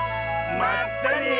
まったね！